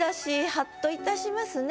ハッといたしますね。